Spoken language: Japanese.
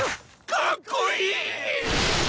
かっこいい！